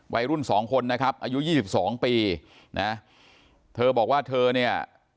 วัยรุ่นสองคนนะครับอายุยี่สิบสองปีนะเธอบอกว่าเธอเนี่ย